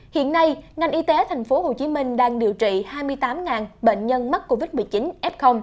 hiện nay ngành y tế tp hcm đang điều trị hai mươi tám bệnh nhân mắc covid một mươi chín f